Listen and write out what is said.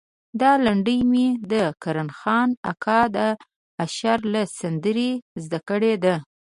دا لنډۍ مې د کرم خان اکا د اشر له سندرې زده کړې ده.